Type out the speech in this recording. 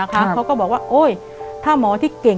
แต่ขอให้เรียนจบปริญญาตรีก่อน